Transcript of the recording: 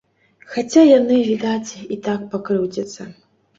Хаця яны, відаць, і так пакрыўдзяцца.